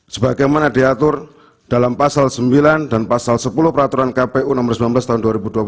sebagaimana diatur dalam pasal sembilan dan pasal sepuluh peraturan kpu nomor sembilan belas tahun dua ribu dua puluh